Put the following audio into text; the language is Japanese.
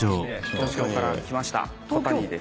東京から来ましたコタニです。